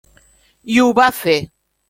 I ho va fer.